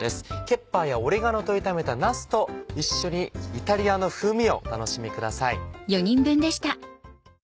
ケッパーやオレガノと炒めたなすと一緒にイタリアの風味をお楽しみください。